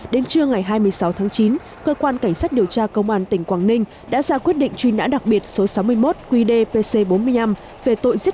đến trưa ngày hai mươi sáu tháng chín cơ quan cảnh sát điều tra công an tỉnh quảng ninh đã ra quyết định truy nã đặc biệt số sáu mươi một qdpc bốn mươi năm